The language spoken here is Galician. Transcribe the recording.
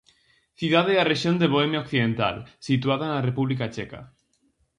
Cidade da rexión de Bohemia Occidental, situada na República Checa.